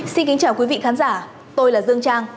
xin kính chào quý vị khán giả tôi là dương trang